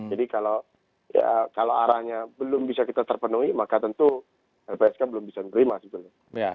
jadi kalau arahnya belum bisa kita terpenuhi maka tentu lpsk belum bisa menerima